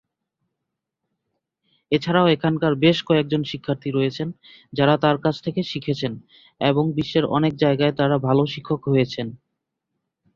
এছাড়াও এখানকার বেশ কয়েকজন শিক্ষার্থী রয়েছেন যাঁরা তাঁর কাছ থেকে শিখেছেন এবং বিশ্বের অনেক জায়গায় তাঁরা ভাল শিক্ষক হয়েছেন।